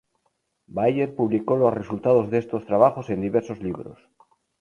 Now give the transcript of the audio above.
Baeyer publicó los resultados de estos trabajos en diversos libros.